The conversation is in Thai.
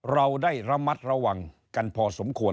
เราได้ระมัดระวังกันพอสมควร